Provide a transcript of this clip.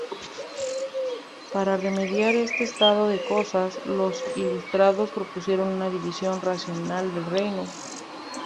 Para remediar este estado de cosas, los ilustrados propusieron una división racional del Reino.